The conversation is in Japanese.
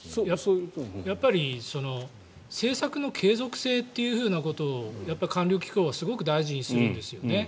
やっぱり政策の継続性ということを官僚機構はすごく大事にするんですよね。